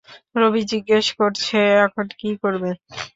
রবি জিজ্ঞেস করছে এখন কি করবে।